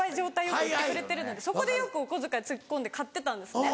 よく売ってくれてるのでそこでよくお小遣いつぎ込んで買ってたんですね。